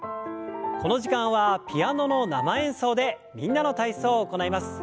この時間はピアノの生演奏で「みんなの体操」を行います。